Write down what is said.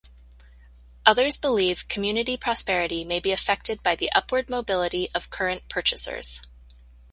Others believe community prosperity may be affected by the upward mobility of current purchasers.